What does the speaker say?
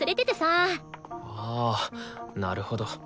あなるほど。